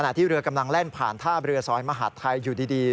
ที่เรือกำลังแล่นผ่านท่าเรือซอยมหาดไทยอยู่ดี